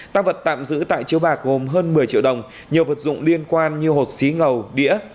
tăng vật tạm giữ tại chiếu bạc gồm hơn một mươi triệu đồng nhiều vật dụng liên quan như hột xí ngầu đĩa